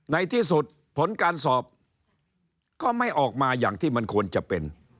ในที่สุดผลการสอบก็ไม่ออกมาอย่างที่มันควรจะเป็น